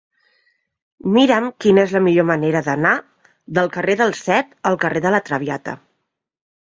Mira'm quina és la millor manera d'anar del carrer del Cep al carrer de La Traviata.